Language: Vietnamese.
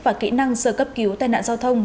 và kỹ năng sơ cấp cứu tai nạn giao thông